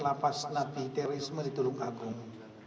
lafaz nati terorisme di tulung agung